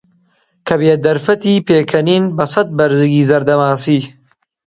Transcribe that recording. کەبێ دەرفەتی پێکەنینن بەسەد بەرزگی زەردە ماسی